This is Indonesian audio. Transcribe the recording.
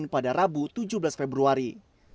pada rabu tujuh belas februari